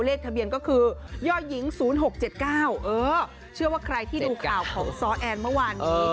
เลขทะเบียนก็คือย่อหญิง๐๖๗๙เออเชื่อว่าใครที่ดูข่าวของซ้อแอนเมื่อวานนี้